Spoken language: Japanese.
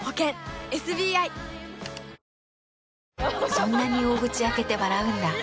そんなに大口開けて笑うんだ。